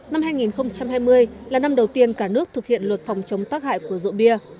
năm hai nghìn hai mươi là năm đầu tiên cả nước thực hiện luật phòng chống tác hại của rượu bia